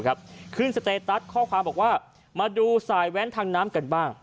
ครับขึ้นข้อความบอกว่ามาดูสายแว้นทางน้ำกันบ้าง